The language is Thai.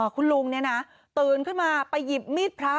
คุณลุงเนี่ยนะตื่นขึ้นมาไปหยิบมีดพระ